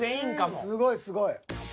すごいすごい。